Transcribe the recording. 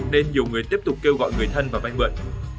nên nhiều người tiếp tục kêu gọi người thân vào banh mượn